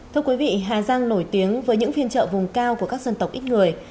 thưa quý vị hà giang nổi tiếng với những phiên chợ vùng cao của các dân tộc ít người